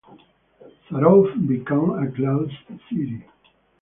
Sarov became a closed city.